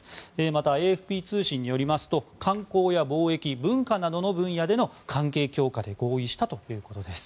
また、ＡＦＰ通信によりますと観光や貿易、文化などの分野での関係強化で合意したということです。